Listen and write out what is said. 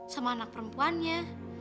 sama anak perempuannya